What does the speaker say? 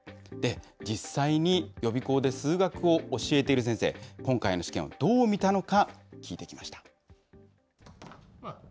実際に予備校で数学を教えている先生、今回の試験をどう見たのか聞いてきました。